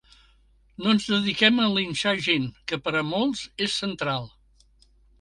No ens dediquem a linxar gent que per a molts és central.